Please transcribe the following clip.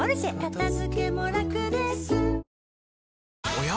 おや？